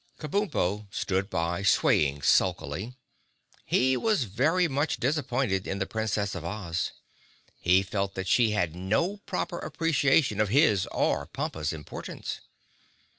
Kabumpo stood by, swaying sulkily. He was very much disappointed in the Princess of Oz. He felt that she had no proper appreciation of his or Pompa's importance.